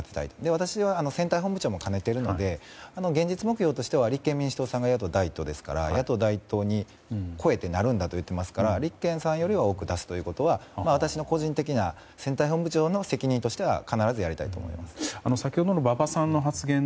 そして私は選対本部長も務めていますので今現在は立憲民主党さんが野党第１党ですから野党第１党に超えてなるんだと言っていますから立憲さんより多く出すというのは個人的な選対本部長としては必ずやりたいと思います。